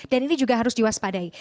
dan ini juga harus diwaspadai